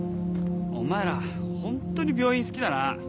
お前らホントに病院好きだな。